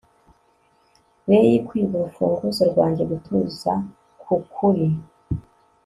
Ray kwiba urufunguzo rwanjye gutuza kwukuri